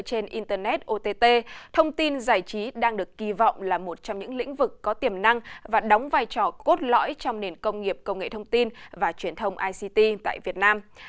trong đó lĩnh vực cung cấp nội dung truyền hình dựa trên internet ott thông tin giải trí đang được kỳ vọng là một trong những lĩnh vực có tiềm năng và đóng vai trò cốt lõi trong nền công nghiệp công nghệ thông tin và truyền thông ict tại việt nam